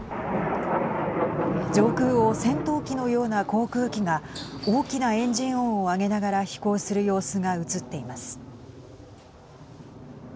上空を戦闘機のような航空機が大きなエンジン音を上げながら飛行する様子が映っています。